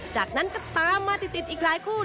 จากนั้นก็ตามมาติดอีกหลายคู่